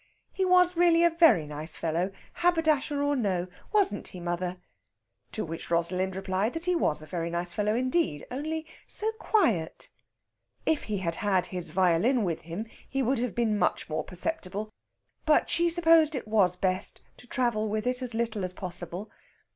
He was really a very nice fellow, haberdasher or no, wasn't he, mother? To which Rosalind replied that he was a very nice fellow indeed, only so quiet. If he had had his violin with him, he would have been much more perceptible. But she supposed it was best to travel with it as little as possible.